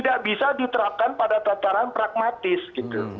tidak bisa diterapkan pada tataran pragmatis gitu